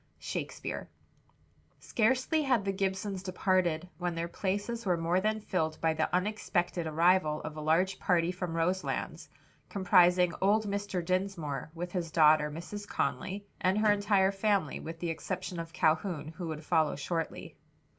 SHAKESPEARE. Scarcely had the Gibsons departed when their places were more than filled by the unexpected arrival of a large party from Roselands, comprising old Mr. Dinsmore, with his daughter Mrs. Conly and her entire family, with the exception of Calhoun, who would follow shortly.